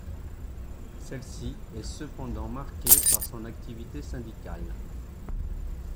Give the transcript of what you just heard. Celle-ci est cependant marquée par son activité syndicale.